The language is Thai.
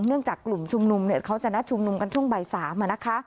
เนื่องจากกลุ่มชุมนุมจะนัดชุมนุมกันช่วงใบสาม